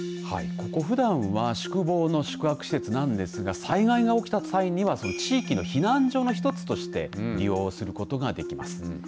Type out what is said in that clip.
ここふだんは宿坊の宿泊施設なんですが災害が起きた際には地域の避難所の１つとして利用することができます。